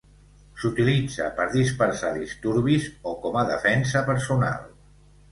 S'utilitza per dispersar disturbis o com a defensa personal.